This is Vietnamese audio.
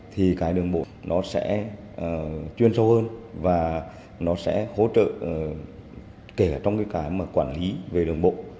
thì cái đường bộ nó sẽ chuyên sâu hơn và nó sẽ hỗ trợ kể cả trong cái mà quản lý về đường bộ